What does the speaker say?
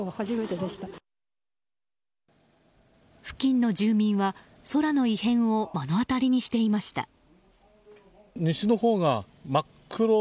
付近の住民は空の異変を目の当たりにしていました。